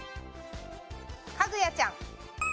かぐやちゃん。